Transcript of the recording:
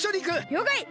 りょうかい！